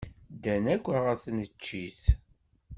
Ddan akk ɣer tneččit.